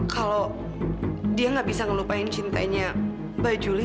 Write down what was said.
kalau dia gak bisa ngelupain cintanya mbak juli